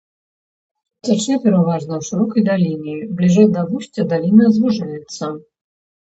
Цячэ пераважна ў шырокай даліне, бліжэй да вусця даліна звужаецца.